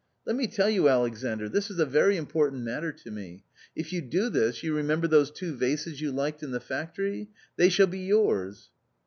Let me tell you, Alexandr, this is a very important matter to me ; if you do this, you remember those two vases you liked in the factory ? they shall be yours."